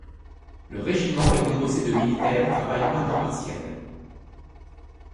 Le régiment est composé de militaires travaillant à temps partiel.